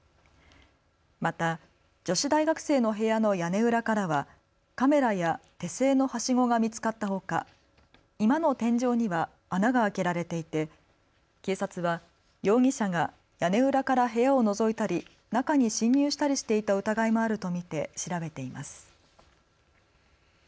また女子大学生の部屋の屋根裏からはカメラや手製のはしごが見つかったほか居間の天井には穴が開けられていて警察は容疑者が屋根裏から部屋をのぞいたり中に侵入したりしていた疑いもあると見て調べています。